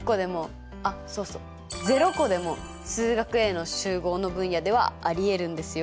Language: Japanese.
あっそうそう０個でも「数学Ａ」の集合の分野ではありえるんですよ。